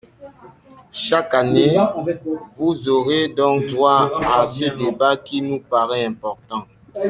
Chaque année, vous aurez donc droit à ce débat qui nous paraît important.